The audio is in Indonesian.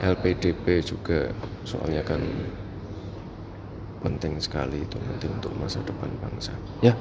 lpdp juga soalnya kan penting sekali itu penting untuk masa depan bangsa